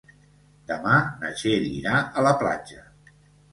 Demà na Txell irà a la platja.